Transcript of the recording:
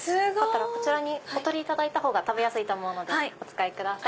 こちらにお取りいただいた方が食べやすいと思うのでお使いください。